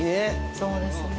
そうですね